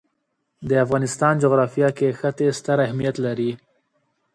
د افغانستان جغرافیه کې ښتې ستر اهمیت لري.